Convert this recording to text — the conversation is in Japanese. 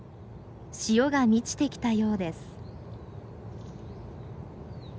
潮が満ちてきたようです。